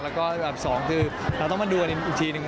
แล้วก็แบบสองคือเราต้องมาดูกันอีกทีหนึ่ง